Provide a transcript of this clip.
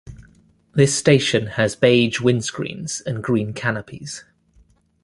This station has beige windscreens and green canopies.